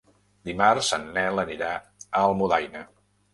Dimarts en Nel anirà a Almudaina.